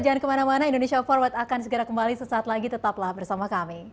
jangan kemana mana indonesia forward akan segera kembali sesaat lagi tetaplah bersama kami